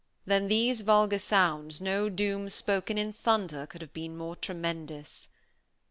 Than these vulgar sounds, no doom spoken in thunder could have been more tremendous.